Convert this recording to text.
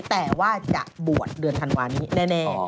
แต่ว่าจะบวชเดือนธันวานี้แน่